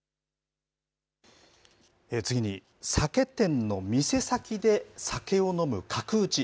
次に、酒店の店先で酒を飲む角打ち。